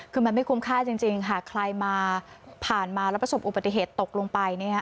คือมันไม่คุ้มค่าจริงหากใครมาผ่านมาแล้วประสบอุบัติเหตุตกลงไป